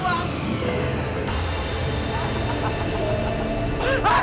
aku mau everyday using